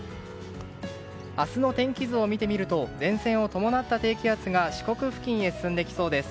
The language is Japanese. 明日の天気図を見てみると前線を伴った低気圧が四国付近へ進んできそうです。